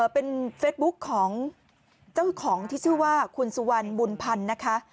เป็นเฟซบุ๊คของเจ้าของที่ชื่อว่าคุณสุวรรณบุญพันธ์นะคะ